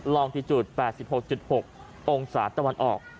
ลองที่จุด๘๖๖องศาตะวันออก